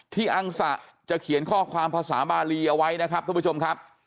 อังสะจะเขียนข้อความภาษาบาลีเอาไว้นะครับท่านผู้ชมครับ